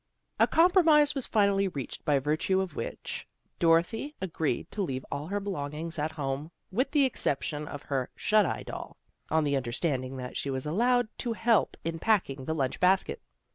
A compromise was finally reached by virtue of which Dorothy agreed to leave all her belongings at home, with the exception of her " shut eye doll," on the understanding that she was to be allowed to help in packing the lunch basket.